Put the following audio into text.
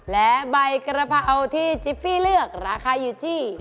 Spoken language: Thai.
และใบกระเพราที่จิฟฟี่เลือกราคาอยู่ที่